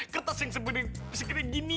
kertas yang sepeda gini